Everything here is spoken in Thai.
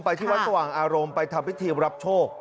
ที่วัดสว่างอารมณ์ไปทำพิธีรับโชค